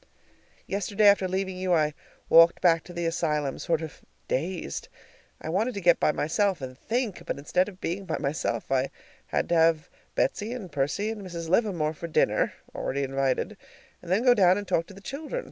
Yesterday, after leaving you, I walked back to the asylum sort of dazed. I wanted to get by myself and THINK, but instead of being by myself, I had to have Betsy and Percy and Mrs. Livermore for dinner (already invited) and then go down and talk to the children.